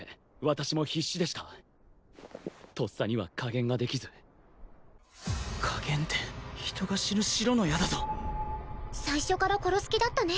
私も必死でしたとっさには加減ができず加減って人が死ぬ白の矢だぞ最初から殺す気だったね